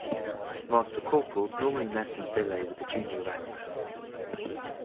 Master Corporals normally mess and billet with the Junior Ranks.